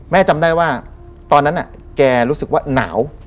จำได้ว่าตอนนั้นแกรู้สึกว่าหนาว